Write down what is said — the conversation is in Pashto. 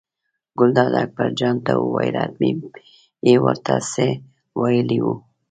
ګلداد اکبرجان ته وویل حتمي یې ور ته څه ویلي وو.